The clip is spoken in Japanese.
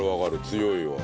強いわ。